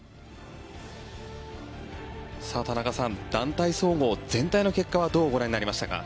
田中さん団体総合の全体の結果はどうご覧になりましたか？